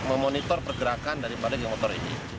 memonitor pergerakan daripada geng motor ini